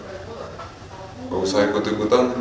enggak usah ikut ikutan